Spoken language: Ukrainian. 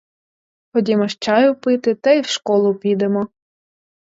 Ходімо ж чаю пити та і в школу підемо.